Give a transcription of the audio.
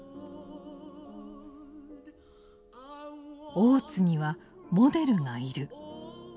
大津にはモデルがいる。